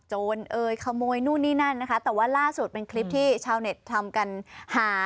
โจรเอยขโมยนู่นนี่นั่นนะคะแต่ว่าล่าสุดเป็นคลิปที่ชาวเน็ตทำกันหา